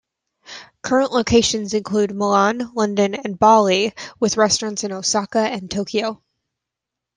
Current locations include Milan, London, and Bali with restaurants in Osaka and Tokyo.